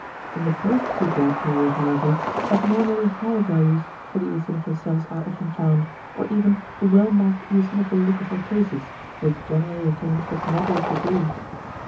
In the post febrile period, however, abnormally high values for the eosinophil cells are often found, or even a well marked eosinophil leucocytosis, which generally attains but moderate degree.